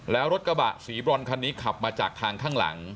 แล้วรถกระบะสีบรอนคันนี้ขับมาจากทางข้างหลัง